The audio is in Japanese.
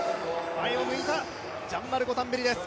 前を向いたジャンマルコ・タンベリです。